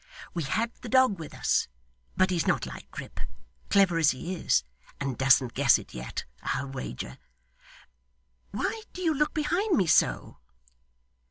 We had the dog with us, but he's not like Grip, clever as he is, and doesn't guess it yet, I'll wager. Why do you look behind me so?